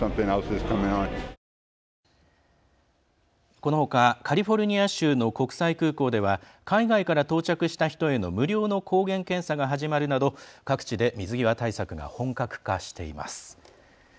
このほかカリフォルニア州の国際空港では海外から到着した人への無料の抗原検査が始まるなど各地で水際対策が本格化しています。